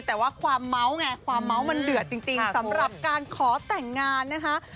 แต่ว่าความเมาส์ไงความเมาส์มันเดือดจริงสำหรับการขอแต่งงานนะคะ